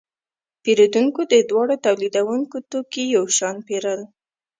پیرودونکو د دواړو تولیدونکو توکي یو شان پیرل.